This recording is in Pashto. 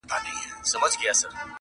جانانه شپه د بېلتانه مي بې تا نه تېرېږي!